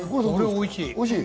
おいしい！